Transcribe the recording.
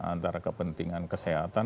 antara kepentingan kesehatan